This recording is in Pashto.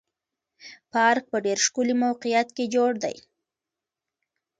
پارک په ډېر ښکلي موقعیت کې جوړ دی.